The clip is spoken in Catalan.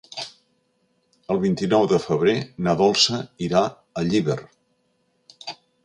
El vint-i-nou de febrer na Dolça irà a Llíber.